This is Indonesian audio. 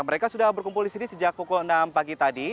mereka sudah berkumpul di sini sejak pukul enam pagi tadi